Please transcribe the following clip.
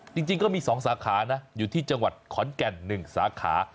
จริงจริงก็มีสองสาขานะอยู่ที่จังหวัดขอนแก่นหนึ่งสาขา